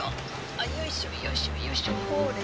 ほーれよいしょよいしょ。